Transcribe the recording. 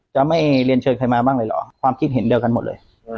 จะไม่เรียนเชิญใครมาบ้างเลยเหรอความคิดเห็นเดียวกันหมดเลย